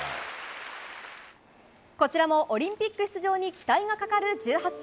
こちらもオリンピック出場に期待がかかる１８歳。